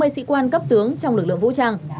hai mươi sĩ quan cấp tướng trong lực lượng vũ trang